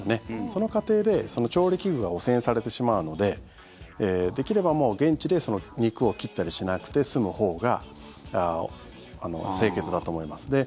その過程で調理器具が汚染されてしまうのでできれば、もう現地で肉を切ったりしなくて済むほうが清潔だと思います。